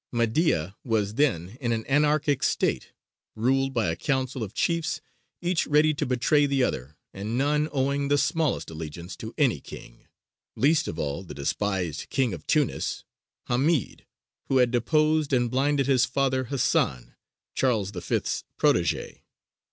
Mahdīya was then in an anarchic state, ruled by a council of chiefs, each ready to betray the other, and none owing the smallest allegiance to any king, least of all the despised king of Tunis, Hamīd, who had deposed and blinded his father Hasan, Charles V.'s protégé.